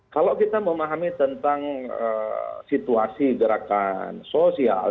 kalau kita memahami tentang situasi gerakan sosial